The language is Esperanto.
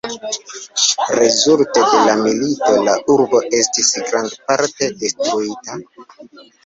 Rezulte de la milito la urbo estis grandparte detruita.